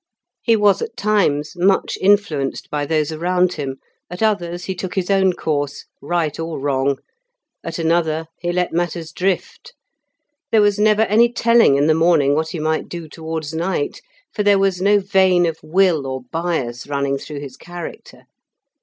He was at times much influenced by those around him; at others he took his own course, right or wrong; at another he let matters drift. There was never any telling in the morning what he might do towards night, for there was no vein of will or bias running through his character.